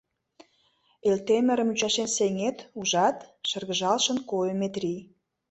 — Элтемырым ӱчашен сеҥет, ужат? — шыргыжалшын койо Метрий.